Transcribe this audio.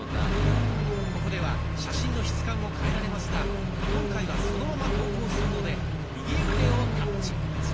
ここでは写真の質感を変えられますが今回はそのまま投稿するので右上をタッチ。